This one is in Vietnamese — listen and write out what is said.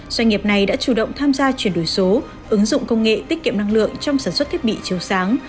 doanh nghiệp này đã chủ động tham gia chuyển đổi số ứng dụng công nghệ tiết kiệm năng lượng trong sản xuất thiết bị chiếu sáng